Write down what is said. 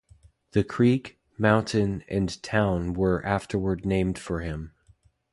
The creek, mountain, and town were afterward named for him.